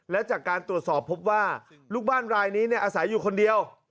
และจากการตรวจสอบพบว่าลูกบ้านรายนี้อาศัยอยู่คนเดียว